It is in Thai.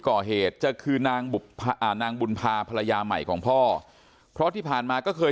ก่อเหตุจะคือนางบุญพาภรรยาใหม่ของพ่อเพราะที่ผ่านมาก็เคย